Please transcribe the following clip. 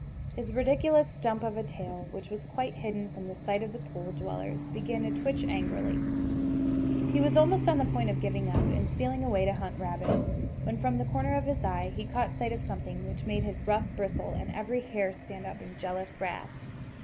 His ridiculous stump of a tail, which was quite hidden from the sight of the pool dwellers, began to twitch angrily. He was almost on the point of giving up, and stealing away to hunt rabbits, when from the corner of his eye he caught sight of something which made his ruff bristle and every hair stand up in jealous wrath.